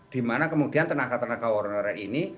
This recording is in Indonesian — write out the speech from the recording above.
di mana kemudian tenaga tenaga honorer ini